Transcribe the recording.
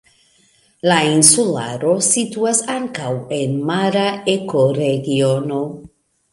La insularo situas ankaŭ en mara ekoregiono.